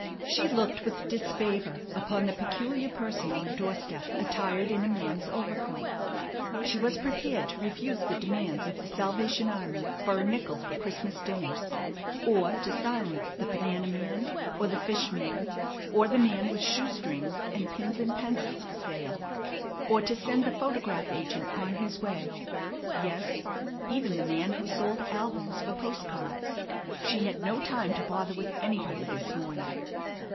She looked with disfavor upon the peculiar person on the door step attired in a man's overcoat. She was prepared to refuse the demands of the Salvation Army for a nickel for Christmas dinners; or to silence the banana man, or the fish man, or the man with shoe strings and pins and pencils for sale; or to send the photograph agent on his way; yes, even the man who sold albums for post cards. She had no time to bother with anybody this morning.